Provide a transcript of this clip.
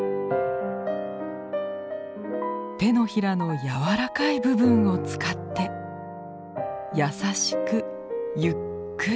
手のひらの柔らかい部分を使って優しくゆっくり。